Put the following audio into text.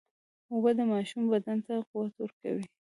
اوبه د ماشوم بدن ته قوت ورکوي.